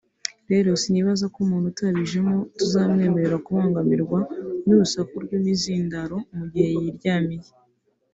rero sinibaza ko umuntu utabijemo tuzamwemerera kubangamirwa nurusaku rw’imizindaro mugihe yiryamiye